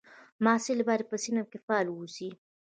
محصل باید په صنف کې فعال واوسي.